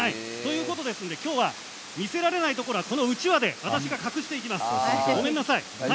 今日は見せられないところはこのうちわで隠していきますごめんなさい。